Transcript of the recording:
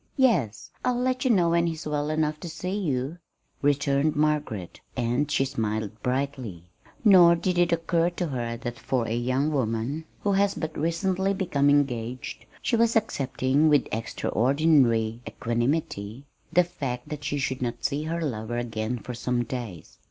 "Yes. I'll let you know when he's well enough to see you," returned Margaret; and she smiled brightly. Nor did it occur to her that for a young woman who has but recently become engaged, she was accepting with extraordinary equanimity the fact that she should not see her lover again for some days.